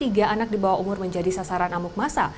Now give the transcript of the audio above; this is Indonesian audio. tiga anak dibawa umur menjadi sasaran amuk masa